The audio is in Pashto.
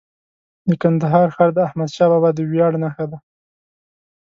د کندهار ښار د احمدشاه بابا د ویاړ نښه ده.